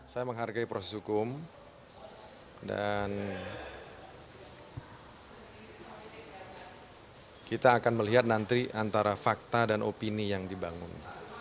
saya menghargai proses hukum dan kita akan melihat nanti antara fakta dan opini yang dibangun